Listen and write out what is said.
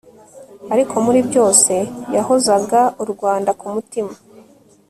ariko muri byose, yahozaga u rwanda ku mutima